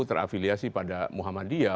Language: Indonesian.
terafiliasi pada muhammadiyah